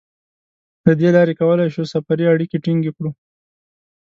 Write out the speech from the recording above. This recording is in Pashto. له دې لارې کولای شو سفري اړیکې ټینګې کړو.